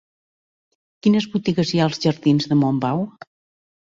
Quines botigues hi ha als jardins de Montbau?